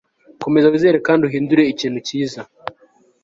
komeza wizere kandi uhindure ikintu cyiza